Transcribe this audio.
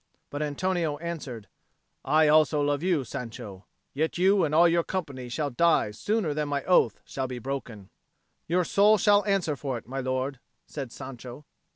But Antonio answered, "I also love you, Sancho; yet you and all your company shall die sooner than my oath shall be broken." "Your soul shall answer for it, my lord," said Sancho.